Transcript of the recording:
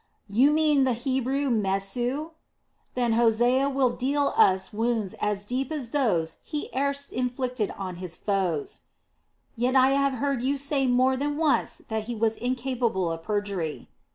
"You mean the Hebrew, Mesu?" "Then Hosea will deal us wounds as deep as those he erst inflicted on our foes." "Yet I have heard you say more than once that he was incapable of perjury."